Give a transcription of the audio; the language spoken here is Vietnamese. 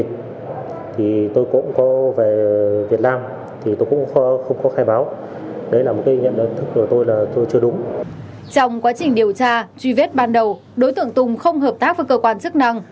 trong quá trình điều tra truy vết ban đầu đối tượng tùng không hợp tác với cơ quan chức năng